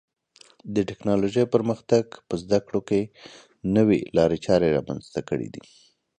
د ټکنالوژۍ پرمختګ په زده کړو کې نوې لارې چارې رامنځته کړې دي.